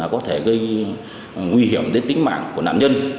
có thể gây nguy hiểm đến tính mạng của nạn nhân